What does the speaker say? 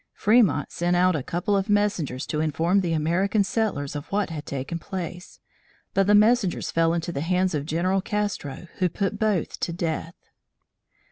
Fremont sent out a couple of messengers to inform the American settlers of what had taken place, but the messengers fell into the hands of General Castro who put both to death.